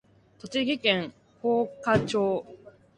栃木県芳賀町